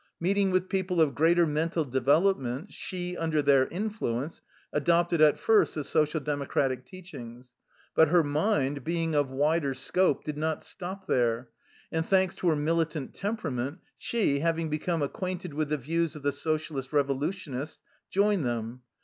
Meeting with people of greater mental development, she, under their in fluence, adopted at first the Social Democratic teachings; but her mind, being of wider scope, did not stop there, and thanks to her militant temperament, she, having become acquainted with the views of the Socialist Kevolutionists, joined them.